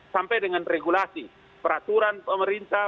sampai dengan regulasi peraturan pemerintah